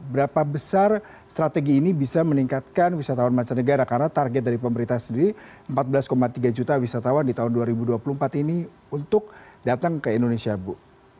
berapa besar strategi ini bisa meningkatkan wisatawan mancanegara karena target dari pemerintah sendiri empat belas tiga juta wisatawan di tahun dua ribu dua puluh empat ini untuk datang ke indonesia bu